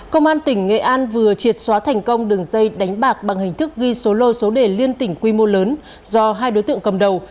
công an tỉnh nghệ an vừa triệt xóa thành công đường dây đánh bạc bằng hình thức ghi số lô số đề liên tỉnh quy mô lớn do hai đối tượng cầm đầu